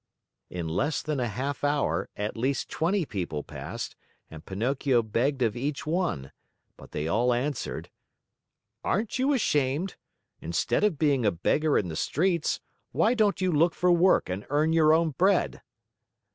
In less than a half hour, at least twenty people passed and Pinocchio begged of each one, but they all answered: "Aren't you ashamed? Instead of being a beggar in the streets, why don't you look for work and earn your own bread?"